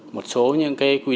một số những cái quy định